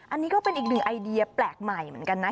อันนี้ก็เป็นอีกหนึ่งไอเดียแปลกใหม่เหมือนกันนะ